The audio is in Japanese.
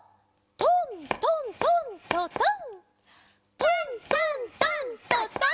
・トントントントトン。